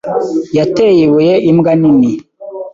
Yateye ibuye imbwa nini.